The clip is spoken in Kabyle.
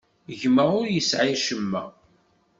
Gma ur yesɛi acemma.